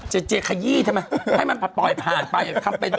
เจเจขยี้ทำไมให้มันปล่อยผ่านไปทำเป็นไป